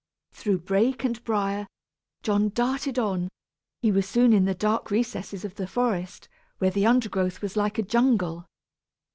Through brake and brier, John darted on; he was soon in the dark recesses of the forest, where the undergrowth was like a jungle.